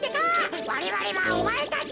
われわれはおまえたちを。